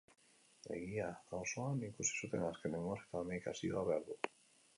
Egia auzoan ikusi zuten azkenengoz, eta medikazioa behar du.